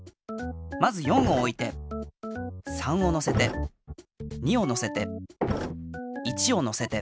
まず４をおいて３をのせて２をのせて１をのせて。